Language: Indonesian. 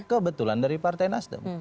kebetulan dari partai nasdem